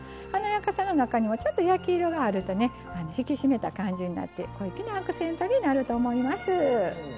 華やかさの中にもちょっと焼き色があるとね引き締めた感じになって小粋なアクセントになると思います。